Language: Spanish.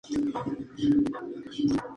Mismo año, la oficina de mismo nombre abrió.